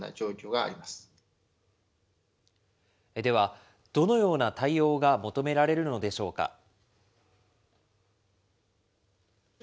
では、どのような対応が求められるのでしょうか。